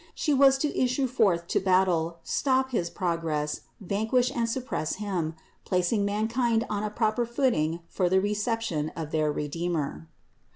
She was to issue forth to battle, stop his progress, vanquish and suppress him, placing mankind on a proper footing for the reception of their Redeemer.